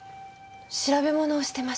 調べ物をしてまして。